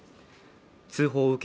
通報を受け